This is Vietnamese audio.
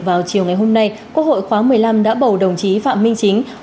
vào chiều ngày hôm nay quốc hội khóa một mươi năm đã bầu đồng chí phạm minh chính